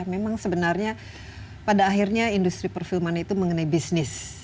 memang sebenarnya pada akhirnya industri perfilman itu mengenai bisnis